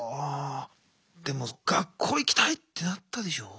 でも「学校行きたい！」ってなったでしょう？